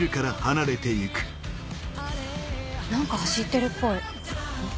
何か走ってるっぽいん？